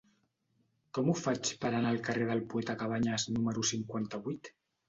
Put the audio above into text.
Com ho faig per anar al carrer del Poeta Cabanyes número cinquanta-vuit?